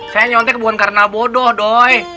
saya nyontek bukan karena bodoh doi